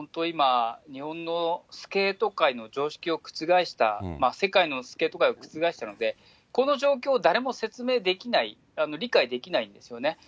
今、日本のスケート界の常識を覆した、世界のスケート界を覆したので、この状況を誰も説明できない、理解できないんですよね。